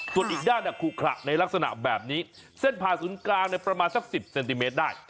ส่วนอีกด้านขุขระในลักษณะแบบนี้เส้นผ่าศูนย์กลางประมาณสัก๑๐เซนติเมตรได้